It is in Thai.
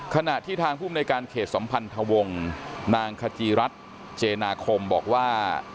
ขณะที่ทางภูมิในการเขตสัมพันธวงศ์นางขจีรัฐเจนาคมบอกว่า